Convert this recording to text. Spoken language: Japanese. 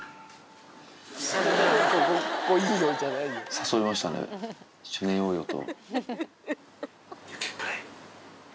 誘いましたね、一緒に寝ようよと。